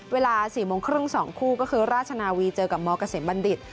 เวลา๔โมงครึ่ง๒คู่ก็คือราชนาวีเจอกับมเกษมบัณฑิต